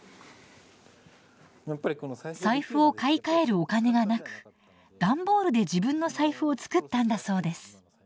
財布を買い替えるお金がなく段ボールで自分の財布を作ったんだそうです。